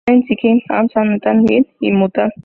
Habita en Sikkim, Assam, Nepal, Tibet y Bután.